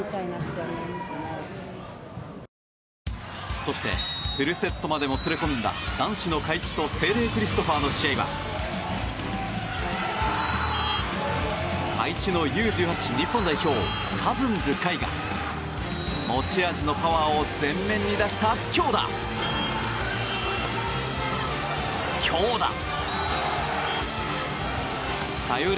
そしてフルセットまでもつれ込んだ男子の開智と聖隷クリストファーの試合は開智のカズンズ海が持ち味のパワーを前面に出した強打、強打、強打！